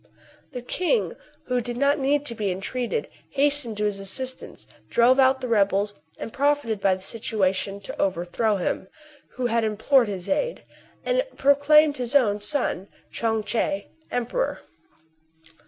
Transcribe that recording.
The king, who did not need to be entr£ated, hastened to his assistance, drove out the rebels, and profited by the situation to overthrow him who had implored his aid, and proclaimed his own son, Chun Tche, emperor.